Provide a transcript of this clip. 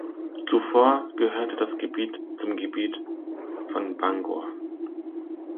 Zuvor gehörte das Gebiet zum Gebiet von Bangor.